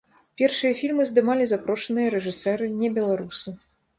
Першыя фільмы здымалі запрошаныя рэжысэры-небеларусы.